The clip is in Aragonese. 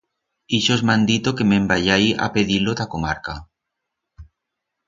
Ixos m'han dito que me'n vayai a pedir-lo t'a comarca.